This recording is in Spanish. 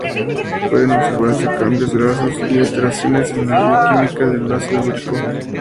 Pueden observarse cambios grasos y alteraciones en la bioquímica del ácido úrico.